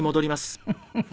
フフフフ。